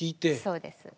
そうです。